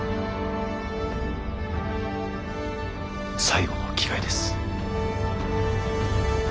最後の機会です。